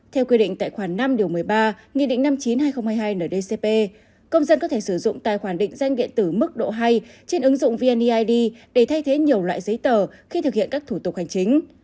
theo quy định tại khoản năm một mươi ba nghị định năm mươi chín hai nghìn hai mươi hai ndcp công dân có thể sử dụng tài khoản định danh điện tử mức độ hai trên ứng dụng vneid để thay thế nhiều loại giấy tờ khi thực hiện các thủ tục hành chính